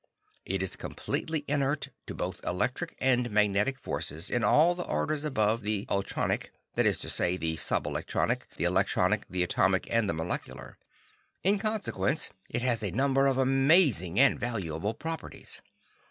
It is completely inert to both electric and magnetic forces in all the orders above the ultronic; that is to say, the sub electronic, the electronic, the atomic and the molecular. In consequence it has a number of amazing and valuable properties.